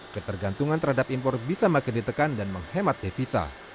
ketergantungan terhadap impor bisa makin ditekan dan menghemat devisa